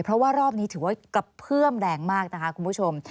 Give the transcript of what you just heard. เพราะว่ารอบนี้ถือว่ากระเพื่อมแรงมากนะคะคุณผู้ชม